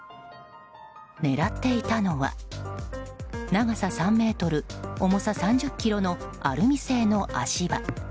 狙っていたのは長さ３ｍ、重さ３０ｋｇのアルミ製の足場。